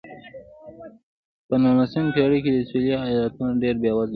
په نولسمې پېړۍ کې سوېلي ایالتونه ډېر بېوزله وو.